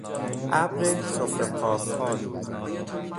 ابر سفره پاک کن